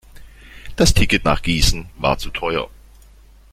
Das Ticket nach Gießen war zu teuer